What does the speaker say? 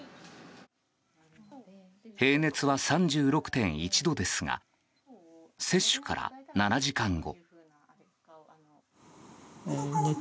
平熱は３６．１度ですが接種から７時間後。